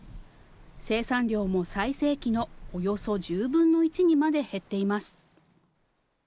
生産量も最盛期のおよそ１０分の１にまで減っています。